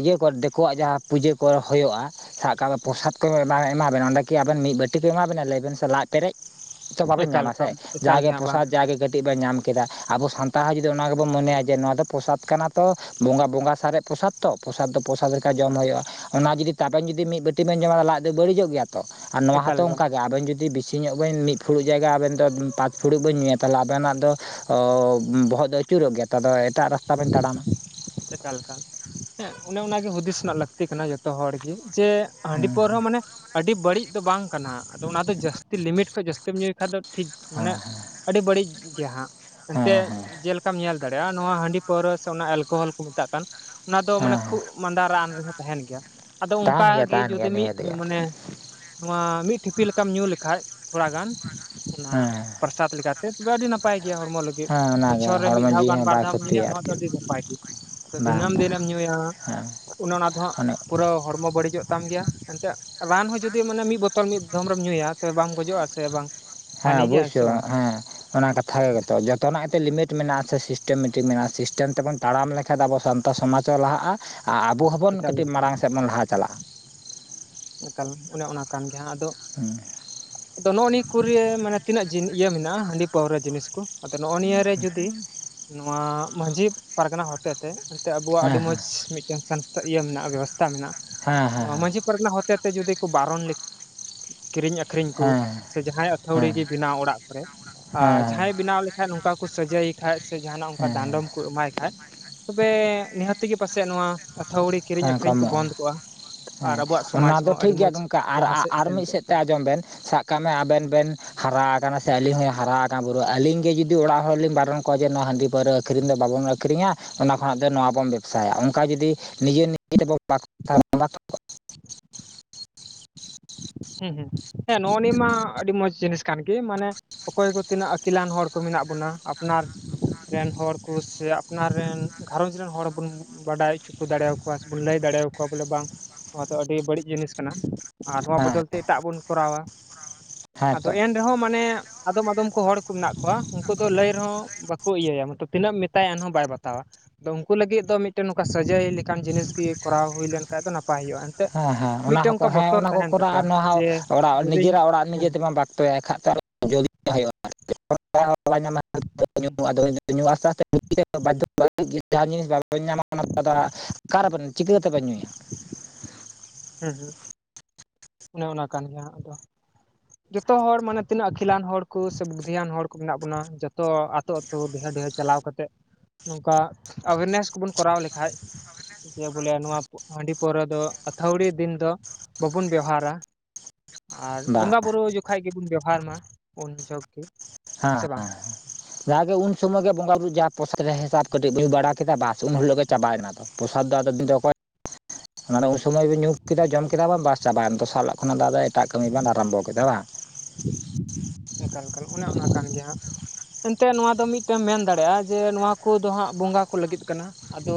ᱤᱭᱟᱹ ᱠᱚ ᱫᱤᱠᱩᱣᱟᱜ ᱡᱟᱦᱟᱸ ᱯᱩᱡᱟᱹ ᱠᱚ ᱦᱩᱭᱩᱜᱭᱼᱟ ᱥᱟᱵ ᱠᱟᱜ ᱢᱮ ᱯᱨᱚᱥᱟ ᱠᱚ ᱮᱢᱟ ᱵᱮᱱᱟ ᱚᱸᱰᱮᱠᱤ ᱟᱵᱮᱱ ᱢᱤᱫ ᱵᱟᱹᱴᱤ ᱠᱚ ᱮᱢᱟᱵᱮᱱᱟ ᱞᱟᱹᱭᱵᱮᱱ ᱥᱮ ᱞᱟᱡ ᱯᱮᱨᱮᱡ ᱛᱚ ᱵᱟᱵᱮᱱ ᱮᱠᱟᱞ ᱧᱟᱢᱟ ᱥᱮ ᱮᱠᱟᱞ ᱮᱠᱟᱞ ᱡᱟᱜᱮ ᱜᱮ ᱦᱟᱸᱜ ᱵᱟᱝ ᱯᱚᱥᱟᱫ ᱡᱟᱜᱮ ᱠᱟᱹᱴᱤᱡ ᱵᱮᱱ ᱧᱟᱢ ᱠᱮᱫᱟ ᱟᱵᱚ ᱥᱟᱱᱛᱟᱲ ᱦᱚᱸ ᱡᱩᱫᱤ ᱚᱱᱟ ᱜᱮᱵᱚᱱ ᱢᱚᱱᱮᱭᱟ ᱡᱮ ᱱᱚᱣᱟ ᱫᱚ ᱯᱨᱚᱥᱟᱫ ᱠᱟᱱᱟ ᱛᱚ ᱵᱚᱸᱜᱟ ᱵᱚᱸᱜᱟ ᱥᱟᱨᱮᱡ ᱯᱨᱚᱥᱟᱫᱽ ᱛᱚ ᱯᱨᱚᱥᱟᱫᱽ ᱫᱚ ᱯᱨᱚᱥᱟ ᱞᱮᱠᱟ ᱮᱠᱟᱞ ᱡᱚᱢ ᱦᱩᱭᱩᱜᱼᱟ ᱚᱱᱟ ᱡᱩᱫᱤ ᱛᱟᱵᱮᱱ ᱡᱩᱫᱤ ᱢᱤᱫ ᱵᱟᱹᱴᱤ ᱵᱮᱱ ᱡᱚᱢᱟ ᱞᱟᱡ ᱫᱚ ᱵᱟᱹᱲᱤᱡᱚᱜ ᱜᱮᱭᱟ ᱛᱚ ᱟᱨ ᱱᱚᱣᱟ ᱮᱠᱟᱞ ᱦᱚᱸᱛᱚ ᱮᱠᱟᱞ ᱚᱱᱠᱟ ᱜᱮ ᱟᱵᱮᱱ ᱡᱩᱫᱤ ᱵᱤᱥᱤ ᱧᱚᱜ ᱵᱮᱱ ᱢᱤᱫ ᱯᱷᱩᱲᱩᱜ ᱡᱟᱭᱜᱟ ᱟᱵᱮᱱ ᱫᱚ ᱯᱟᱸᱪ ᱯᱷᱩᱲᱩᱜ ᱵᱮᱱ ᱧᱩᱭᱟ ᱛᱟᱦᱚᱞᱮ ᱟᱵᱮᱱᱟᱜ ᱫᱚ ᱚᱻᱚ ᱵᱚᱦᱚᱜ ᱫᱚ ᱟᱹᱪᱩᱨᱚᱜ ᱜᱮᱭᱟ ᱛᱚ ᱮᱴᱟᱜ ᱨᱟᱥᱛᱟ ᱵᱮᱱ ᱛᱟᱲᱟᱢᱟ ᱮᱠᱟᱞ ᱮᱠᱟᱞ ᱦᱮᱸ ᱚᱱᱮ ᱚᱱᱟᱜᱮ ᱦᱩᱫᱤᱥ ᱨᱮᱱᱟᱜ ᱞᱟᱹᱠᱛᱤ ᱠᱟᱱᱟ ᱡᱚᱛᱚ ᱦᱚᱲ ᱜᱮ ᱡᱮ ᱦᱟᱺᱰᱤ ᱦᱮᱸ ᱯᱟᱹᱣᱨᱟᱹ ᱦᱚᱸ ᱢᱟᱱᱮ ᱟᱹᱰᱤ ᱵᱟᱹᱲᱤᱡ ᱫᱚ ᱵᱟᱝ ᱠᱟᱱᱟ ᱟᱫᱚ ᱚᱱᱟ ᱫᱚ ᱡᱟᱹᱥᱛᱤ ᱞᱤᱢᱤᱴ ᱠᱷᱚᱱᱚᱡ ᱡᱟᱹᱥᱛᱤᱢ ᱧᱩᱭ ᱠᱷᱟᱱ ᱫᱚ ᱴᱷᱤᱠ ᱦᱮᱸ ᱢᱟᱱᱮ ᱟᱹᱰᱤ ᱵᱟᱹᱲᱤᱡ ᱜᱮ ᱦᱟᱸᱜ ᱦᱮᱸ ᱮᱱᱛᱮᱫ ᱦᱮᱸ ᱦᱮᱸ ᱡᱮᱞᱮᱠᱟᱢ ᱧᱮᱞ ᱫᱟᱲᱮᱭᱟᱜᱼᱟ ᱱᱚᱣᱟ ᱦᱟᱺᱰᱤ ᱯᱟᱹᱣᱨᱟᱹ ᱥᱮ ᱚᱱᱟ ᱮᱞᱠᱳᱦᱚᱞ ᱢᱮᱛᱟᱜ ᱠᱟᱱ ᱚᱱᱟ ᱫᱚ ᱢᱟᱱᱮ ᱦᱮᱸ ᱠᱷᱩᱜ ᱢᱟᱸᱫᱟ ᱨᱟᱱ ᱨᱮᱦᱚᱸ ᱛᱟᱦᱮᱱ ᱜᱮᱭᱟ ᱟᱫᱚ ᱚᱱᱠᱟ ᱛᱟᱦᱮᱱ ᱜᱮᱭᱟ ᱜᱮ ᱛᱟᱦᱮᱱ ᱡᱩᱫᱤ ᱜᱮᱭᱟ ᱢᱤᱫ ᱱᱤᱦᱟᱹᱛ ᱜᱮ ᱢᱟᱱᱮ ᱱᱚᱣᱟ ᱢᱤᱫ ᱴᱷᱤᱯᱤ ᱞᱮᱠᱟᱢ ᱧᱩ ᱞᱮᱠᱷᱟᱱᱡ ᱛᱷᱚᱲᱟ ᱜᱟᱱ ᱚᱱᱟ ᱦᱮᱸ ᱯᱨᱚᱥᱟᱫ ᱞᱮᱠᱟᱛᱮ ᱛᱚᱵᱮ ᱟᱹᱰᱤ [INAUDIBLE] ᱱᱟᱯᱟᱭ ᱜᱮᱭᱟ ᱦᱚᱲᱢᱚ ᱞᱟᱹᱜᱤᱫ ᱦᱮᱸ ᱚᱱᱟᱜᱮ ᱵᱚᱪᱷᱚᱨ ᱨᱮ ᱢᱤᱫ ᱦᱚᱲᱢᱚ ᱫᱷᱟᱣ ᱡᱤᱣᱤ ᱜᱟᱱ ᱦᱚᱸ ᱵᱟᱨ ᱵᱟᱭ ᱫᱷᱟᱣᱢ ᱧᱩᱭᱟ ᱠᱷᱚᱛᱤᱭᱟ ᱱᱚᱣᱟ ᱫᱚ ᱟᱨᱠᱤ ᱟᱹᱰᱤ ᱱᱟᱯᱟᱭ ᱜᱮ ᱫᱤᱱᱟᱹᱢ ᱵᱟᱝ ᱵᱟᱝ ᱫᱤᱱᱮᱢ ᱧᱩᱭᱟ ᱦᱮᱸ ᱩᱱᱮ ᱚᱱᱟ ᱫᱚ ᱦᱟᱸᱜ ᱚᱱᱮ ᱯᱩᱨᱟᱹ ᱦᱚᱲᱢᱚ ᱵᱟᱹᱲᱤᱡᱚᱜ ᱛᱟᱢ ᱜᱮᱭᱟ ᱮᱱᱛᱮᱫ ᱨᱟᱱ ᱦᱚᱸ ᱡᱩᱫᱤ ᱢᱟᱱᱮ ᱢᱤᱫ ᱵᱳᱛᱚᱞ ᱢᱤᱫ ᱫᱚᱢ ᱨᱮ ᱧᱩᱭᱟ ᱛᱚᱵᱮ ᱵᱟᱢ ᱜᱚᱡᱚᱜᱼᱟ ᱥᱮ ᱵᱟᱝ? ᱦᱮᱸ ᱦᱟᱹᱱᱤ ᱜᱮᱭᱟ ᱚᱵᱚᱥᱥᱳ ᱥᱮ ᱵᱟᱝ ᱦᱮᱸ ᱚᱱᱟ ᱠᱟᱛᱷ ᱜᱮᱛᱚ ᱡᱚᱛᱚᱱᱟᱜ ᱜᱮᱛ ᱞᱤᱢᱤᱴ ᱢᱮᱱᱟᱜᱼᱟ ᱥᱮ ᱥᱤᱥᱴᱮᱢ ᱢᱤᱫᱴᱤᱡ ᱢᱮᱱᱟᱜᱼᱟ ᱥᱤᱥᱴᱮᱢ ᱛᱮᱵᱚᱱ ᱛᱟᱲᱟᱢ ᱞᱮᱠᱠᱷᱟᱱᱡ ᱟᱵᱚ ᱥᱟᱱ ᱥᱚᱢᱟᱡᱚ ᱞᱟᱦᱟᱜᱼᱟ ᱟᱨ ᱟᱵᱚ ᱦᱚᱸᱵᱚᱱ ᱮᱠᱟᱞ ᱠᱟᱹᱴᱤᱡ ᱢᱟᱲᱟᱝ ᱥᱮᱫ ᱵᱚᱱ ᱞᱟᱦᱟ ᱪᱟᱞᱟᱜᱼᱟ ᱮᱠᱟᱞ ᱚᱱᱮ ᱚᱱᱟ ᱠᱟᱱ ᱜᱮᱭᱟ ᱟᱫᱚ ᱦᱮᱸ ᱟᱫᱚ ᱱᱚᱜᱼᱚ ᱱᱤᱭᱟᱹ ᱠᱚᱨᱮ ᱢᱟᱱᱮ ᱛᱤᱱᱟᱹᱜ ᱤᱭᱟᱹ ᱢᱮᱱᱟᱜᱼᱟ ᱦᱟᱺᱰᱤ ᱯᱟᱹᱣᱨᱟᱹ ᱡᱤᱱᱤᱥ ᱠᱚ ᱟᱫᱚ ᱱᱚᱜᱼᱚ ᱱᱤᱭᱟᱹᱟᱹᱨᱮ ᱡᱩᱫᱤ ᱱᱚᱣᱟ ᱢᱟᱹᱡᱷᱤ ᱯᱟᱨᱜᱟᱱᱟ ᱦᱚᱛᱮ ᱛᱮ ᱮᱱᱛᱮ ᱟᱵᱩᱣᱟᱜ ᱟᱹᱰᱤ ᱦᱮᱸ ᱢᱚᱸᱡᱽ ᱢᱤᱫᱴᱮᱱ ᱥᱟᱝᱥᱛᱷᱟ ᱤᱭᱟᱹ ᱢᱮᱱᱟᱜᱼᱟ ᱵᱮᱵᱚᱥᱛᱛᱟ ᱢᱮᱱᱟᱜᱼᱟ ᱦᱮᱸ ᱦᱮᱸ ᱦᱮᱸ ᱱᱚᱣᱟ ᱢᱟᱺᱡᱷᱤ ᱯᱟᱨᱟ ᱨᱮᱱᱟᱜ ᱦᱚ [INAUDIBLE] ᱛᱮ ᱡᱩᱫᱤ ᱠᱚ ᱵᱟᱨᱚᱱ ᱞᱮᱠᱷᱟᱱ ᱠᱤᱨᱤᱧ ᱟᱹᱠᱷᱨᱤᱧ ᱠᱚ ᱦᱮᱸ ᱡᱟᱦᱟᱸᱭ ᱟᱹᱛᱷᱟᱹᱣᱲᱤ ᱦᱮᱸ ᱜᱮ ᱵᱮᱱᱟᱣ ᱚᱲᱟᱜ ᱠᱚᱨᱮ ᱟᱨ ᱦᱮᱸ ᱡᱟᱦᱟᱸᱭ ᱵᱮᱱᱟᱣ ᱞᱮᱠᱷᱟᱡ ᱱᱚᱝᱠᱟ ᱠᱚ ᱥᱟᱡᱟᱹᱭᱮ ᱠᱷᱟᱡ ᱥᱮ ᱡᱟᱦᱟᱱᱟᱜ ᱚᱱᱠᱟ ᱦᱮᱸ ᱦᱮᱸ ᱰᱟᱸᱰᱚᱢ ᱠᱚ ᱮᱢᱟᱭ ᱠᱷᱟ ᱛᱚᱵᱮ ᱱᱤᱦᱟᱹᱛᱜᱮ ᱯᱟᱥᱮᱡᱭᱟᱜ ᱱᱚᱣᱟ ᱟᱛᱷᱟᱣᱲᱤ ᱠᱤᱨᱤᱧ ᱦᱮᱸ ᱟᱹᱠᱷᱨᱤᱧ ᱠᱚ ᱠᱚᱢᱚᱜᱼᱟ ᱵᱚᱱᱫ ᱠᱚᱣᱟ ᱟᱨ ᱦᱮᱸ ᱟᱵᱚᱣᱟᱜ ᱥᱚᱢᱟᱡ ᱚᱱᱟ ᱫᱚ ᱴᱷᱤᱠ ᱜᱮᱭᱟ ᱜᱚᱢᱠᱮ ᱟᱨ ᱟᱨ ᱢᱤᱫ ᱥᱮᱫ ᱛᱮ ᱟᱸᱡᱚᱢ ᱵᱮᱱ ᱥᱟᱵ ᱠᱟᱜ ᱢᱮ ᱟᱵᱮᱱ ᱵᱮᱱ ᱦᱟᱨᱟ ᱟᱠᱟᱱᱟ ᱥᱮ ᱟᱹᱞᱤᱧ ᱦᱚᱧ ᱦᱟᱨᱟᱠ ᱵᱩᱨᱩ ᱟᱹᱞᱤᱧ ᱜᱮ ᱡᱩᱫᱤ ᱚᱲᱟᱜ ᱦᱚᱲᱞᱤᱧ ᱵᱟᱨᱚᱱ ᱠᱚ ᱡᱮ ᱱᱚᱣᱟ ᱦᱟᱺᱰᱤ ᱯᱟᱹᱣᱨᱟᱹ ᱟᱹᱠᱷᱨᱤᱧ ᱫᱚ ᱵᱟᱵᱚᱱ ᱟᱹᱠᱷᱨᱤᱧᱟ ᱚᱱᱟ ᱠᱷᱚᱱᱟᱜ ᱫᱚ ᱱᱚᱣᱟ ᱵᱚᱱ ᱵᱮᱵᱽᱥᱟᱭᱟ ᱚᱱᱠᱟ ᱡᱩᱫᱤ ᱱᱤᱡᱮ ᱱᱤᱡᱮ [INAUDIBLE] ᱦᱩᱸᱻᱦᱩᱸᱻ ᱱᱚᱜᱼᱚ ᱱᱤᱭᱟᱹ ᱢᱟ ᱟᱹᱰᱤ ᱢᱚᱸᱡᱽ ᱡᱤᱱᱤᱥ ᱠᱟᱱ ᱜᱮ ᱢᱟᱱᱮ ᱚᱠᱚᱭ ᱠᱚ ᱛᱤᱱᱟᱹᱜ ᱟᱹᱠᱤᱞᱟᱱ ᱦᱚᱲ ᱠᱚ ᱢᱮᱱᱟᱜ ᱵᱚᱱᱟ ᱟᱯᱱᱟᱨ ᱨᱮᱱ ᱦᱚᱲ ᱠᱚ ᱥᱮ ᱟᱯᱱᱟᱨ ᱨᱮᱱ ᱜᱷᱟᱨᱚᱸᱪ ᱨᱮᱱ ᱦᱚᱲ ᱵᱚᱱ ᱵᱟᱰᱟᱭ ᱦᱚᱪᱚ ᱠᱚ ᱫᱟᱲᱮᱭᱟᱠᱚᱣᱟ ᱥᱮᱵᱚᱱ ᱞᱟᱹᱭ ᱫᱟᱲᱮᱭᱟᱠᱚᱣᱟ ᱵᱚᱞᱮ ᱵᱟᱝ ᱱᱚᱣᱟ ᱫᱚ ᱟᱹᱰᱤ ᱵᱟᱹᱲᱤᱡ ᱡᱤᱱᱤᱥ ᱠᱟᱱᱟ ᱟᱨ ᱱᱚᱣᱟ ᱵᱚᱫᱚᱞ ᱛᱮ ᱮᱴᱟᱜ ᱵᱚᱱ ᱠᱚᱨᱟᱣᱟ ᱦᱮᱸ ᱟᱫᱚ ᱛᱚ ᱮᱱ ᱨᱮᱦᱚᱸ ᱢᱟᱱᱮ ᱟᱫᱚᱢ ᱟᱫᱚᱢ ᱠᱚ ᱦᱚᱲ ᱠᱚ ᱢᱮᱱᱟᱜ ᱠᱚᱣᱟ ᱩᱱᱠᱩ ᱫᱚ ᱞᱟᱹᱭ ᱨᱮᱦᱚᱸ ᱵᱟᱠᱚ ᱤᱭᱟᱹᱭᱟ ᱛᱤᱱᱟᱹᱜ ᱮᱢ ᱢᱮᱛᱟᱭᱟ ᱮᱱᱦᱚᱸ ᱵᱟᱭ ᱵᱟᱛᱟᱣᱟ ᱟᱫᱚ ᱩᱱᱠᱩ ᱞᱟᱹᱜᱤᱫ ᱫᱚ ᱢᱤᱫᱴᱮᱱ ᱱᱚᱝᱠᱟ ᱥᱟᱹᱡᱟᱹᱭ ᱞᱮᱠᱟᱱ ᱡᱤᱱᱤᱥ ᱜᱮ ᱠᱚᱨᱟᱣ ᱦᱩᱭ ᱞᱮᱱᱠᱷᱟᱱ ᱫᱚ ᱱᱟᱯᱟᱭ ᱦᱩᱭᱩᱜᱼᱟ ᱮᱱᱛᱮᱫ ᱦᱮᱸ ᱦᱮᱸ ᱚᱱᱟ ᱢᱤᱫᱴᱮᱱ ᱦᱚᱸᱠᱚ ᱚᱱᱠᱟ ᱦᱮᱸ ᱵᱚᱛᱚᱨ ᱚᱱᱟ ᱠᱚ ᱛᱟᱦᱮᱱ ᱠᱚᱨᱟᱜ-ᱟ ᱛᱟᱠᱚᱣᱟ ᱱᱚᱣᱟ ᱦᱚᱸ ᱡᱮ ᱚᱲᱟᱜ ᱡᱩᱫᱤᱧ ᱱᱤᱡᱮᱨᱟᱜ ᱚᱲᱟᱜ ᱦᱮᱸ ᱱᱤᱡᱮ ᱛᱮ [UNINTELLIGIBLE] [UNINTELLIGIBLE] ᱦᱮᱸ ᱡᱟᱦᱟᱸ ᱡᱤᱱᱤᱥ ᱵᱟᱵᱮᱱ ᱧᱟᱢᱟ ᱚᱱᱟ ᱚᱠᱟᱨᱮᱵᱮᱱ ᱪᱤᱠᱟᱹ ᱛᱮᱵᱮᱱ ᱧᱩᱭᱟ ᱦᱩᱸ ᱦᱩᱸ ᱚᱱᱮ ᱚᱱᱟ ᱠᱟᱱ ᱜᱮᱭᱟ ᱟᱫᱚ [UNINTELLIGIBLE] ᱡᱚᱛᱚ ᱦᱚᱲ ᱢᱟᱱᱮ ᱛᱤᱱᱟᱹᱜ ᱟᱹᱠᱤᱞᱟᱱ ᱦᱚᱲ ᱠᱚ ᱥᱮ ᱵᱩᱫᱽᱫᱷᱤᱭᱟᱱ ᱦᱚᱲ ᱠᱚ ᱢᱮᱱᱟᱜ ᱵᱚᱱᱟ ᱡᱚᱛᱚ ᱟᱛᱳ ᱛᱚ ᱰᱷᱮᱨ ᱰᱷᱮᱨ ᱪᱟᱞᱟᱣ ᱠᱟᱛᱮᱫ ᱱᱚᱝᱠᱟ ᱟᱵᱤᱱᱮᱥ ᱠᱚᱵᱚᱱ ᱠᱚᱨᱟᱣ ᱞᱮᱠᱷᱟᱡ ᱦᱮ ᱵᱚᱞᱮ ᱱᱚᱣᱟ ᱦᱟᱺᱰᱤ ᱯᱟᱹᱣᱨᱟᱹ ᱫᱚ ᱟᱹᱛᱷᱟᱣᱲᱤ ᱫᱤᱱ ᱫᱚ ᱵᱟᱵᱩᱱ ᱵᱮᱣᱦᱟᱨ ᱟᱨ ᱵᱟᱝ ᱵᱚᱸᱜᱟ ᱵᱩᱨᱩ ᱡᱚᱠᱷᱚᱱ ᱜᱮᱵᱚᱱ ᱵᱮᱣᱦᱟᱨ ᱢᱟ ᱩᱱ ᱡᱚᱦᱚᱜ ᱜᱮ ᱥᱮ ᱵᱟᱝ ᱦᱟᱸᱻᱦᱟᱸᱻ ᱡᱟᱜᱮ ᱩᱱ ᱥᱚᱢᱚᱭ ᱜᱮ ᱵᱚᱸᱜᱟ ᱵᱩᱨᱩᱳ ᱡᱟᱦᱟᱸ ᱯᱳᱥᱟᱫ ᱨᱮ ᱦᱮᱥᱟᱛ ᱠᱟᱹᱴᱤᱡ ᱧᱩ ᱵᱟᱲᱟ ᱠᱮᱫᱟ ᱵᱟᱥ ᱩᱱ ᱦᱤᱞᱳᱜ ᱜᱮ ᱪᱟᱵᱟᱭᱱᱟ ᱛᱚ ᱯᱨᱚᱥᱟᱫᱽ [INAUDIBLE] ᱚᱱᱟᱫᱚ ᱩᱱ ᱥᱚᱢᱚᱭ ᱵᱮ ᱧᱩᱛ ᱠᱮᱫᱟ ᱡᱚᱢ ᱢᱟᱱᱮ ᱩᱱ ᱥᱚᱢᱚᱭ ᱧᱩ ᱠᱮᱫᱟ ᱡᱚᱢ ᱠᱮᱫᱟᱵᱤᱱ ᱵᱟᱝ ᱵᱟᱥ ᱪᱟᱵᱟᱜᱼᱟ ᱫᱚᱥᱟᱨ ᱦᱤᱞᱟᱜ ᱠᱷᱚᱱᱟᱜ ᱫᱚ ᱟᱫᱚ ᱮᱴᱟᱜ ᱠᱟᱹᱢᱤ ᱵᱮᱱ ᱟᱨᱟᱢᱵᱚ ᱠᱮᱫᱟ ᱵᱟᱝ ᱮᱠᱟᱞ ᱮᱠᱟᱞ ᱚᱱᱮ ᱚᱱᱟ ᱠᱟᱱ ᱜᱮᱭᱟ ᱦᱟᱜ ᱮᱱᱛᱮᱜ ᱱᱚᱣᱟ ᱫᱚ ᱢᱤᱫᱴᱮᱢ ᱢᱮᱱ ᱫᱟᱲᱮᱭᱟᱜᱼᱟ ᱡᱮ ᱱᱚᱣᱟ ᱠᱚᱫᱚ ᱦᱟᱸᱜ ᱵᱚᱸᱜᱟ ᱠᱚ ᱞᱟᱹᱜᱤᱫ ᱠᱟᱱᱟ ᱟᱫᱚ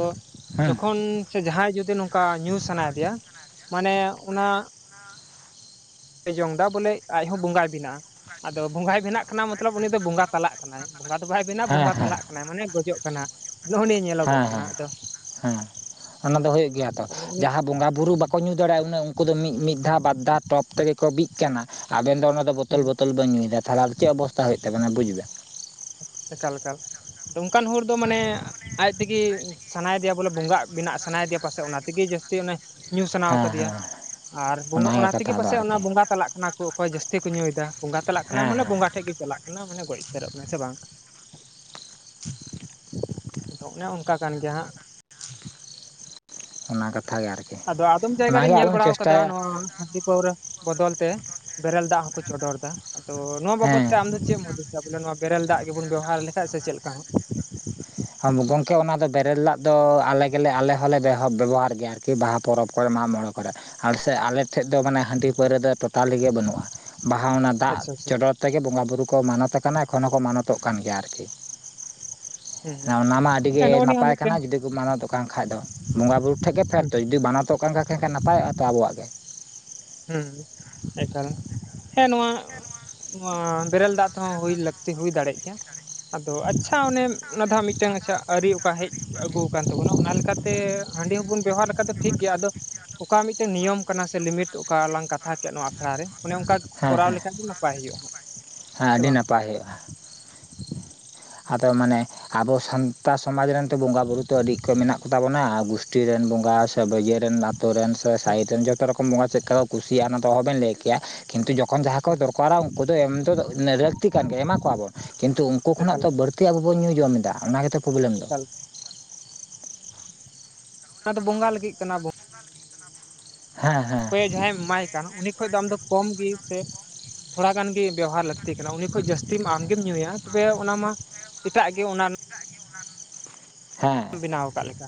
ᱦᱮᱸ ᱡᱚᱠᱷᱚᱱ ᱥᱮ ᱡᱟᱦᱟᱸᱭ ᱡᱩᱫᱤ ᱱᱚᱝᱠᱟ ᱧᱩ ᱥᱟᱱᱟᱭᱮᱫᱮᱭᱟ ᱢᱟᱱᱮ ᱚᱱᱟ ᱡᱚᱝ ᱮᱫᱟ ᱵᱚᱞᱮ ᱟᱡᱦᱚᱸ ᱵᱚᱸᱜᱟᱭ ᱵᱮᱱᱟᱜᱼᱟ ᱟᱫᱚ ᱵᱚᱸᱜᱟᱭ ᱵᱮᱱᱟᱜ ᱠᱟᱱᱟ ᱢᱚᱛᱞᱚᱵ ᱩᱱᱤ ᱫᱚ ᱵᱚᱸᱜᱟ ᱛᱟᱞᱟᱜ ᱠᱟᱱᱟ ᱵᱚᱸᱜᱟ ᱫᱚ ᱵᱟᱭ ᱵᱮᱱᱟ ᱦᱮᱸ ᱵᱚᱸᱜᱟ ᱦᱮᱸ ᱛᱟᱞᱟᱜ ᱠᱟᱱᱟᱭ ᱢᱟᱱᱮ ᱜᱚᱡᱚᱜ ᱠᱟᱱᱟ [INAUDIBLE] ᱦᱮᱸ ᱠᱟᱱᱟ ᱦᱮᱸ ᱟᱫᱚ ᱦᱮᱸ ᱚᱱᱟ ᱫᱚ ᱦᱩᱭᱩᱜ ᱜᱮᱭᱟ ᱛᱚ ᱱᱚᱜᱼᱚ ᱱᱤᱭᱟᱹ ᱡᱟᱦᱟᱸ ᱵᱚᱸᱜᱟ ᱵᱩᱨᱩ ᱵᱟᱠᱚ ᱧᱩ ᱫᱷᱚᱨᱳ ᱩᱱᱟᱹᱜ ᱩᱱᱠᱩ ᱫᱚ ᱢᱤᱫ ᱫᱷᱟᱣ ᱵᱟᱫᱫᱷᱟ ᱴᱚᱯ ᱛᱮᱜᱮ ᱠᱚ ᱵᱤᱜ ᱠᱟᱱᱟ ᱟᱵᱮᱱ ᱫᱚ ᱚᱱᱟ ᱵᱚᱛᱚᱞ ᱵᱚᱛᱚᱞ ᱵᱚ ᱧᱩᱭᱮᱫᱟ ᱛᱟᱦᱚᱞᱮᱫᱚ ᱪᱮᱫ ᱚᱵᱚᱥᱛᱟ ᱦᱩᱭᱩᱜ ᱛᱟᱵᱱᱟ ᱵᱩᱡ ᱵᱮᱱ ᱮᱠᱟᱞ ᱮᱠᱟᱞ ᱱᱚᱝᱠᱟᱱ ᱦᱚᱲ ᱫᱚ ᱢᱟᱱᱮ ᱟᱡ ᱛᱮᱜᱮ ᱥᱟᱱᱟᱭᱫᱮᱭᱟ ᱵᱚᱞᱮ ᱵᱚᱸᱜᱟᱜ ᱵᱮᱱᱟᱜ ᱥᱟᱱᱟᱭᱮᱫᱮᱭᱟ ᱯᱟᱥᱮᱡ ᱚᱱᱟ ᱛᱮᱜᱮ ᱡᱟᱹᱥᱛᱤ ᱛᱮ ᱧᱩ ᱥᱟᱱᱟ ᱦᱮᱸ ᱠᱟᱫᱮᱭᱟ ᱦᱮᱸ ᱟᱨ ᱵᱚᱸᱜᱟ ᱚᱱᱟᱜᱮ ᱚᱱᱟ ᱛᱮᱜᱮ ᱠᱟᱛᱷᱟ ᱫᱚ ᱯᱟᱥᱮᱡ ᱟᱨᱠᱤ ᱚᱱᱟ ᱵᱚᱸᱜᱟ ᱛᱟᱞᱟᱜ ᱠᱟᱱᱟ ᱠᱚ ᱚᱠᱚᱭ ᱡᱟᱹᱥᱛᱤ ᱛᱮ ᱠᱚ ᱧᱩᱭᱮᱫᱟ ᱵᱚᱸᱜᱟ ᱛᱟᱞᱟᱜ ᱠᱟᱱᱟ ᱦᱮᱸ ᱢᱟᱱᱮ ᱦᱮᱸ ᱵᱚᱸᱜᱟ ᱴᱷᱮᱡ ᱜᱮ ᱪᱟᱞᱟᱜ ᱠᱟᱱᱟ ᱢᱟᱱᱮ ᱜᱚᱡ ᱩᱛᱟᱹᱨᱚᱜ ᱠᱟᱱᱟ ᱥᱮ ᱵᱟᱝ ᱫᱚ ᱚᱱᱮ ᱚᱱᱠᱟ ᱠᱟᱱ ᱜᱮᱭᱟ ᱦᱟᱸᱜ ᱚᱱᱟ ᱠᱟᱛᱷᱟᱜ ᱜᱮ ᱟᱨᱠᱤ ᱟᱫᱚ ᱟᱫᱚᱢ ᱡᱟᱭᱜᱟ ᱨᱤᱧ ᱚᱱᱟᱜᱮ ᱟᱵᱚ ᱧᱮᱞ ᱵᱚᱱ ᱵᱟᱲᱟ ᱟᱠᱟᱫᱟ ᱪᱮᱥᱴᱟᱭᱟ ᱱᱚᱣᱟ ᱦᱟᱺᱰᱤ ᱯᱟᱹᱣᱨᱟᱹ ᱵᱚᱫᱚᱞ ᱛᱮ ᱵᱮᱨᱮᱞ ᱫᱟᱜ ᱦᱚᱸᱠᱚ ᱪᱚᱰᱚᱨ ᱫᱟ ᱟᱫᱚ ᱱᱚᱣᱟ ᱵᱟᱵᱚᱛ ᱦᱮᱸ ᱛᱮ ᱟᱢᱫᱚ ᱪᱮᱫ ᱮᱢ ᱦᱩᱫᱤᱥᱟ ᱵᱚᱞᱮ ᱱᱚᱣᱟ ᱵᱮᱨᱮᱞ ᱫᱟᱜ ᱜᱮᱵᱚᱱ ᱵᱮᱣᱚᱦᱟᱨ ᱞᱮᱠᱷᱟᱡ ᱥᱮ ᱪᱮᱫ ᱞᱮᱠᱟ ᱜᱚᱝᱠᱮ ᱚᱱᱟ ᱫᱚ ᱵᱮᱨᱮᱞ ᱫᱟᱜ ᱫᱚ ᱟᱞᱮ ᱜᱮᱞᱮ ᱟᱞᱮ ᱦᱚᱸᱞᱮ ᱵᱮᱵᱚᱦᱟᱨ ᱜᱮᱭᱟ ᱟᱨᱠᱤ ᱵᱟᱦᱟ ᱯᱚᱨᱚᱵᱽ ᱠᱚᱨᱮ ᱢᱟᱜ ᱢᱚᱬᱮ ᱠᱚᱨᱮ ᱟᱞ ᱥᱮ ᱟᱞᱮᱴᱷᱮᱡ ᱫᱚ ᱢᱟᱱᱮ ᱦᱟᱺᱰᱤ ᱯᱟᱹᱣᱨᱟᱹ ᱫᱚ ᱴᱳᱚᱴᱟᱞᱤᱜ ᱜᱮ ᱵᱟᱹᱱᱩᱜᱼᱟ ᱵᱟᱦᱟ ᱚᱱᱟ ᱫᱟᱜ ᱟᱪᱪᱷᱟ ᱟᱪᱪᱷᱟ ᱪᱚᱰᱚᱨ ᱛᱮᱜᱮ ᱵᱚᱸᱜᱟ ᱵᱩᱨᱩ ᱠᱚ ᱢᱟᱱᱚᱛ ᱟᱠᱟᱱᱟ ᱮᱠᱷᱚᱱ ᱦᱚᱸᱠᱚ ᱢᱟᱱᱚᱛᱚᱜ ᱠᱟᱱ ᱜᱮᱭᱟ ᱟᱨᱠᱤ ᱦᱩᱸ ᱦᱩᱸ ᱚᱱᱟ ᱢᱟ ᱟᱹᱰᱤ ᱜᱮ ᱦᱮᱸ ᱱᱚᱜᱼᱚ ᱱᱤᱭᱟᱹ ᱦᱚᱸ ᱱᱟᱯᱟᱭ ᱢᱤᱫᱴᱮᱱ ᱠᱟᱱᱟ ᱡᱩᱫᱤ ᱢᱟᱱᱟᱣᱚᱛᱚᱜ ᱠᱟᱱ ᱠᱷᱟᱱᱡ ᱫᱚ ᱵᱚᱸᱜᱟ ᱵᱩᱨᱩ ᱴᱷᱮᱱ ᱜᱮ ᱯᱷᱮᱰ ᱦᱩᱸ ᱛᱚ ᱡᱩᱫᱤ ᱢᱟᱱᱟᱚᱛᱚᱜ ᱠᱟᱱ ᱠᱷᱟᱱᱟᱱ ᱱᱟᱯᱟᱭᱚᱜᱼᱟ ᱛᱚ ᱟᱵᱚᱣᱟᱜ ᱜᱮ ᱦᱮᱸ ᱮᱠᱟᱞ ᱦᱮᱸ ᱱᱚᱣᱟ ᱚᱸᱻᱚ ᱵᱮᱨᱮᱞ ᱫᱟᱜ ᱛᱮᱦᱚᱸ ᱦᱩᱭ ᱞᱟᱹᱠᱛᱤ ᱦᱩᱭ ᱫᱟᱲᱮᱭᱟᱜ ᱜᱮᱭᱟ ᱟᱫᱚ ᱟᱪᱪᱷᱟ ᱚᱱᱮ ᱚᱱᱟ ᱫᱚ ᱦᱟᱸᱜ ᱢᱤᱫᱴᱟᱝ ᱟᱪᱪᱷᱟ ᱟᱹᱨᱤ ᱚᱠᱟ ᱦᱮᱡ ᱟᱹᱜᱩ ᱟᱠᱟᱱ ᱛᱟᱵᱚᱱᱟ ᱚᱱᱟ ᱞᱮᱠᱟᱛᱮ ᱦᱟᱺᱰᱤ ᱦᱚᱸᱵᱚᱱ ᱵᱮᱣᱦᱟᱨ ᱞᱮᱠᱷᱟᱱ ᱫᱚ ᱴᱷᱤᱠ ᱜᱮᱭᱟ ᱟᱫᱚ ᱚᱠᱟ ᱢᱤᱫᱴᱮᱱ ᱱᱤᱭᱚᱢ ᱠᱟᱱᱟ ᱥᱮ ᱞᱤᱢᱤᱴ ᱚᱠᱟ ᱞᱟᱝ ᱠᱟᱛᱷᱟ ᱠᱮᱫ ᱱᱚᱣᱟ ᱟᱠᱷᱲᱟ ᱨᱮ ᱚᱱᱮ ᱚᱱᱠᱟ ᱦᱮᱸ ᱠᱚᱨᱟᱣ ᱦᱮᱸ ᱞᱮᱠᱷᱟᱡ ᱫᱚ ᱱᱟᱯᱟᱭ ᱦᱩᱭᱩᱜᱼᱟ ᱦᱟᱜ ᱦᱮᱸ ᱟᱹᱰᱤ ᱱᱟᱯᱟᱭ ᱦᱩᱭᱩᱜᱼᱟ ᱟᱫᱚ ᱢᱟᱱᱮ ᱟᱵᱚ ᱥᱟᱱᱛᱟᱲ ᱥᱚᱢᱟᱡᱽ ᱨᱮᱱ ᱛᱚ ᱵᱚᱸᱜᱟ ᱵᱩᱨᱩ ᱛᱚ ᱟᱹᱰᱤ ᱠᱚ ᱢᱮᱱᱟᱜ ᱠᱚᱛᱟ ᱵᱚᱱᱟ ᱜᱩᱥᱴᱤ ᱨᱮᱱ ᱵᱚᱸᱜᱟ ᱥᱮ [UNINTELLIGIBLE] ᱨᱮᱱ ᱟᱛᱳ ᱨᱮᱱ ᱥᱮ ᱦᱩᱸ ᱥᱟᱭᱤᱰ ᱨᱮᱱ ᱡᱚᱛᱚ ᱨᱚᱠᱚᱢ ᱵᱚᱸᱜᱟ ᱪᱮᱫᱮ ᱠᱚ ᱠᱩᱥᱤᱭᱟᱜᱼᱟ ᱚᱱᱟ ᱫᱚ ᱚᱦᱚᱵᱮᱱ ᱞᱟᱹᱭ ᱠᱮᱭᱟ ᱠᱤᱱᱛᱩ ᱡᱚᱠᱷᱚᱱ ᱡᱟᱦᱟᱸ ᱠᱚ ᱦᱩᱸ ᱫᱚᱨᱠᱟᱨᱟ ᱩᱱᱠᱩ ᱫᱚ ᱮᱢ ᱫᱚ ᱞᱟᱹᱠᱛᱤ ᱠᱟᱱ ᱜᱮ ᱮᱢᱟ ᱠᱚᱣᱟᱵᱚᱱ ᱠᱤᱱᱛᱩ ᱩᱱᱠᱩ ᱠᱷᱚᱱᱟᱜ ᱮᱠᱟᱞ ᱡᱟᱹᱥᱛᱤ ᱟᱵᱚᱵᱚᱱ ᱧᱩ ᱡᱚᱢ ᱫᱟ ᱚᱱᱟ ᱜᱮᱛᱚ ᱯᱨᱚᱵᱞᱮᱢ ᱫᱚ ᱮᱠᱟᱞ ᱚᱱᱟ ᱫᱚ ᱵᱚᱸᱜᱟ ᱞᱟᱹᱜᱤᱫ ᱠᱟᱱᱟ ᱵᱚᱜᱟ ᱵᱚᱱ ᱞᱟ. ᱜᱤᱫ ᱠᱟᱱᱟ ᱵᱚᱱ ᱦᱮᱸ ᱦᱮᱸ ᱡᱟᱦᱟᱸᱭ ᱮᱢ ᱮᱢᱟᱭ ᱠᱟᱱᱟ ᱩᱱᱤ ᱠᱷᱚᱡ ᱫᱚ ᱟᱢ ᱫᱚ ᱠᱚᱢ ᱜᱮ ᱥᱮ ᱛᱷᱚᱲᱟᱜᱟᱱ ᱜᱮ ᱵᱮᱣᱦᱟᱨ ᱞᱟᱹᱠᱛᱤ ᱠᱟᱱᱟ ᱩᱱᱤ ᱠᱷᱚᱡ ᱡᱟᱹᱥᱛᱤ ᱟᱢᱜᱮᱢ ᱧᱩᱭᱟ ᱛᱚᱵᱮ ᱚᱱᱟ ᱢᱟ ᱮᱴᱟᱜ ᱜᱮ ᱚᱱᱟ ᱦᱮᱸ ᱨᱮᱱᱟᱜ ᱵᱮᱱᱟᱣ ᱠᱟᱜ ᱞᱮᱠᱟ